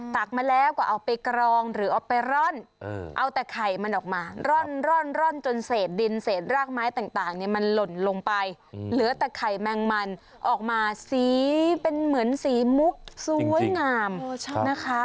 ักมาแล้วก็เอาไปกรองหรือเอาไปร่อนเอาแต่ไข่มันออกมาร่อนจนเศษดินเศษรากไม้ต่างเนี่ยมันหล่นลงไปเหลือแต่ไข่แมงมันออกมาสีเป็นเหมือนสีมุกสวยงามนะคะ